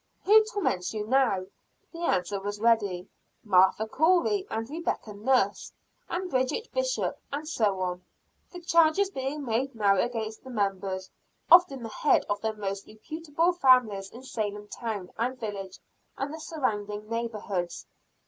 "Who torments you now?" The answer was ready: Martha Corey, and Rebecca Nurse, and Bridget Bishop, and so on; the charges being made now against the members, often the heads, of the most reputable families in Salem town and village and the surrounding neighborhoods.